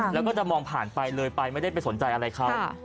แล้วก็จะมองผ่านไปเลยไปไม่ได้ไปสนใจอะไรเขา